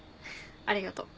ありがとう。